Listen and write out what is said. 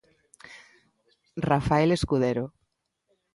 Rafael Escudero.